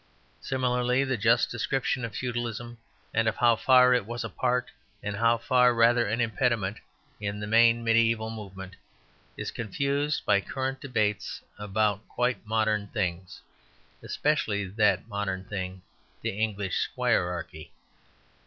Similarly the just description of Feudalism, and of how far it was a part and how far rather an impediment in the main mediæval movement, is confused by current debates about quite modern things especially that modern thing, the English squirearchy.